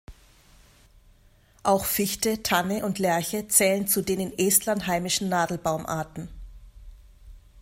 Auch Fichte, Tanne und Lärche zählen zu den in Estland heimischen Nadelbaumarten.